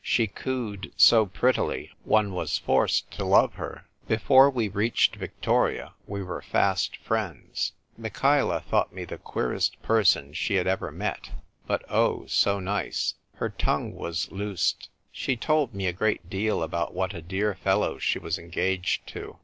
She cooed so pret tily one was forced to love her. Before we reached Victoria we were fast friends. Michaela thought me the queerest person she had ever met, but, oh, so nice ! Her tongue was loosed. She told me a great deal about what a dear fellow she was engaged to.